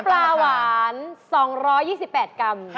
น้ำปลาหวาน๒๒๘กรัม